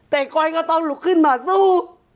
แต่ก้อยก็ต้องลุกขึ้นมาสู้